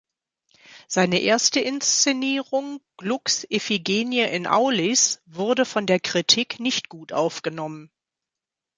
Seine erste Inszenierung, Glucks "Iphigenie in Aulis", wurde von der Kritik nicht gut aufgenommen.